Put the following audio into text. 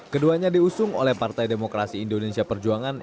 keduanya diusung oleh partai demokrasi indonesia perjuangan